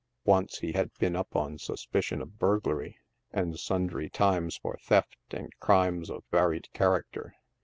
Once he had been up on suspicion of burglary, and sundry times for theft and crimes of varied character.